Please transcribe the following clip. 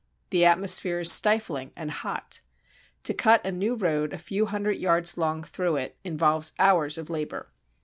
The atmosphere is stifling and hot. To cut a new road a few hundred yards long through it involves hours of labour.